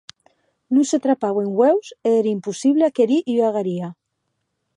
Non se trapauen ueus e ère impossible aquerir ua garia.